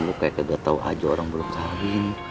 lu kayak tidak tau aja orang belum saling